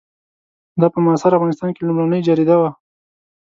دا په معاصر افغانستان کې لومړنۍ جریده وه.